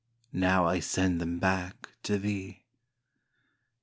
Now I send them back to thee.